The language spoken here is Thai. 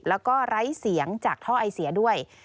และร้ายเสียงจากท่อไอเซียด้วย